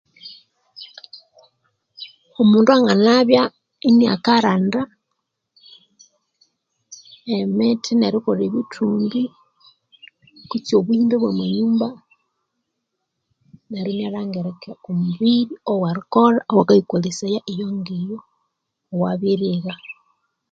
Omundu anganabya inya karanda emithi nerikolha ebithumbi kutse obuhimbe bwamanyumba neryo inyalhangirika oko mubiri owerikolha owa kayikolesaya eyo ngiyo owa biryigha.